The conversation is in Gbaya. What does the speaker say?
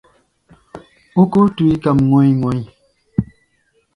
Ókóo túí kam ŋɔ̧i̧-ŋɔ̧i̧.